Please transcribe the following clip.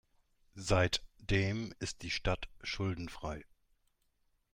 Seitdem ist die Stadt schuldenfrei.